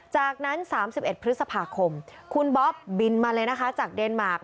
จากนั้น๓๑พฤษภาคมคุณบ๊อบบินมาเลยนะคะจากเดนมาร์ค